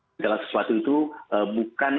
segala sesuatu itu bukan